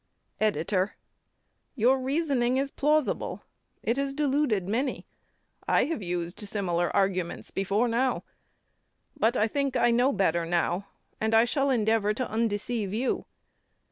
EDITOR: Your reasoning is plausible. It has deluded many. I have used similar arguments before now. But I think I know better now, and I shall endeavour to undeceive you.